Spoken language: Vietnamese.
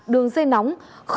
ba đường dây nóng